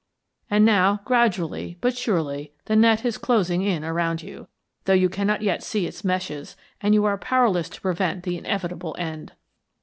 And now, gradually, but surely, the net is closing in around you, though you cannot yet see its meshes, and you are powerless to prevent the inevitable end."